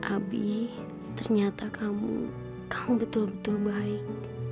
abi ternyata kamu kamu betul betul baik